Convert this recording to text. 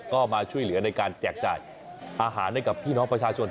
ก็มาช่วยเหลือในการแจกจ่ายอาหารให้กับพี่น้องประชาชน